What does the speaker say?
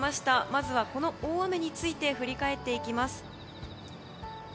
まずはこの大雨について振り返っていきます。